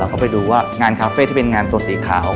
และนายดูว่างานคาเฟ่ที่เป็นงานส่วนสีขาว